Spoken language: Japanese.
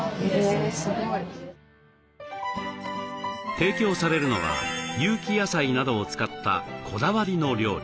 提供されるのは有機野菜などを使ったこだわりの料理。